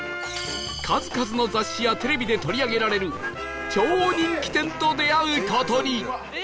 数々の雑誌やテレビで取り上げられる超人気店と出会う事に